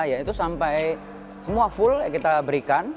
ya itu sampai semua full yang kita berikan